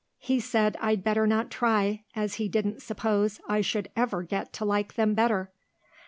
He said I'd better not try, as he didn't suppose I should ever get to like them better."